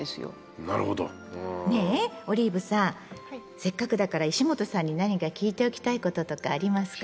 せっかくだから石本さんに何か聞いておきたいこととかありますか？